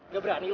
gak berani lu